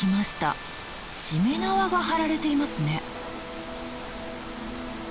しめ縄が張られていますね。